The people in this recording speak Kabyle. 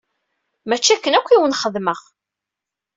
Mačči akken akk i wen-xedmeɣ!